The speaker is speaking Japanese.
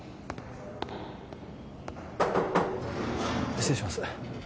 失礼します